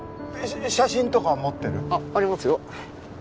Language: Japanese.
写真とか持ってる？ありますよ。